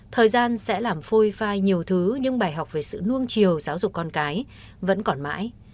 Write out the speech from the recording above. thời gian sẽ làm phôi phai nhiều thứ nhưng bài học về sự nông chiều giáo dục con cái vẫn còn mãi